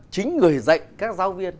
chính người dạy các giáo viên